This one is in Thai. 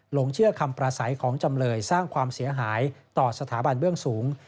ลงเชื่อคำประสัยของจำเลยสร้างความเสียหายต่อสถาบันเบื้องสูง